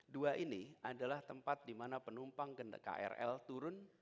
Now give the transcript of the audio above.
dua ini adalah tempat dimana penumpang krl turun